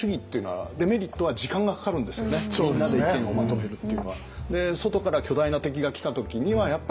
みんなで意見をまとめるっていうのは。